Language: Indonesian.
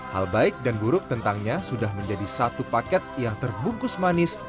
hal baik dan buruk tentangnya sudah menjadi satu paket yang terbungkus manis